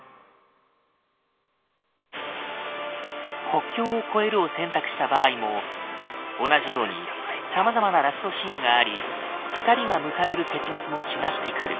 「国境を越える」を選択した場合も同じように様々なラストシーンがあり２人が迎える結末も違ってくる。